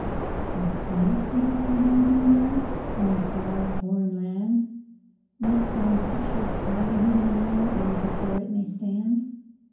Does he think of her now, do you know? In that far, foreign land, — When at some pictured shrine he may kneel. Or before it may stand?